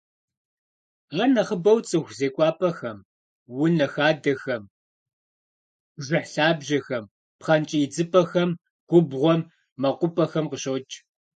Ар нэхъыбэу цӏыху зекӏуапӏэхэм, унэ хадэхэм, бжыхь лъабжьэхэм, пхъэнкӏий идзыпӏэхэм, губгъуэм, мэкъупӏэхэм къыщокӏ.